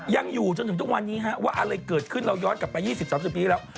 ยังอยู่จนถึงทุกวันนี้ว่าอะไรเกิดขึ้นเราย้อนกลับไป๒๐๓๐ปีที่แล้ว